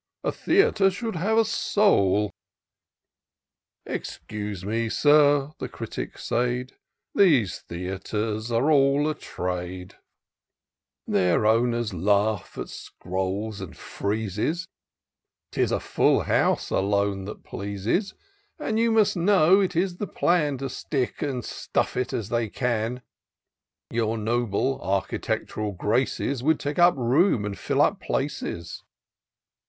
A theatre should have a soul." Excuse me. Sir," the Critic said, " ^ese theatres are all a trade : Their owners laugh at scrolls and Mezes; 'Tis a full house, alone, that pleases ; And you must know, it is the plan To stick and stuff it as they can : Your noble, architect'ral graces. Would take up room, and fill up places."